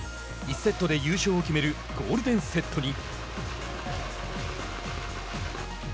１セットで優勝を決めるゴールデンセットに。